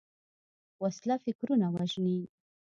وسله فکرونه وژني